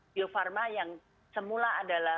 bio farma yang semula adalah